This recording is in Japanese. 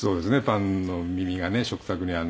パンの耳がね食卓にあるのか